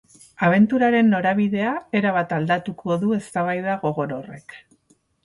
Abenturaren norabidea erabat aldatuko du eztabaida gogor horrek.